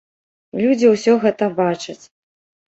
Людзі ўсё гэта бачаць.